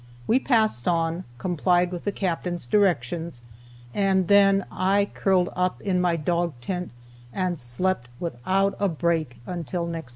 We passed on, complied with the Captain's directions, and then I curled up in my dog tent and slept without a break until next morning.